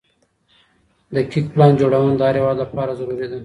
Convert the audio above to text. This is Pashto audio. دقيق پلان جوړونه د هر هيواد لپاره ضروري ده.